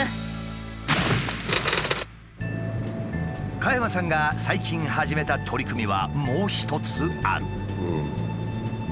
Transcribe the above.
加山さんが最近始めた取り組みはもう一つある。